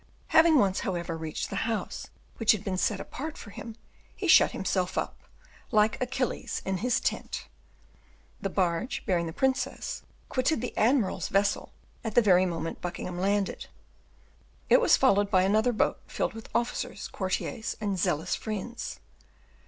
Having once, however, reached the house which had been set apart for him, he shut himself up, like Achilles in his tent. The barge bearing the princess quitted the admiral's vessel at the very moment Buckingham landed. It was followed by another boat filled with officers, courtiers, and zealous friends.